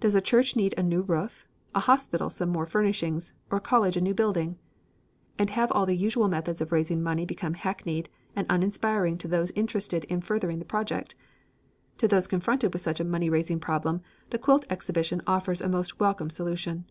Does a church need a new roof, a hospital some more furnishings, or a college a new building? And have all the usual methods of raising money become hackneyed and uninspiring to those interested in furthering the project? To those confronted with such a money raising problem the quilt exhibition offers a most welcome solution.